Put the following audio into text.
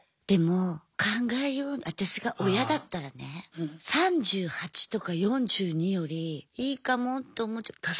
でも考えよう私が親だったらね３８とか４２よりいいかもって思っちゃう。